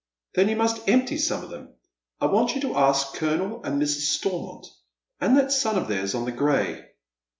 " Then you must empty some of them. I want you to ask Colonel and Mrs. Stormont, and that son of their's on the gray."